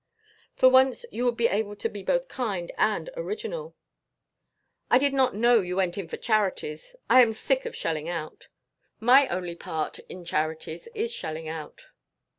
For once you would be able to be both kind and original." "I did not know you went in for charities. I am sick of shelling out." "My only part in charities is shelling out."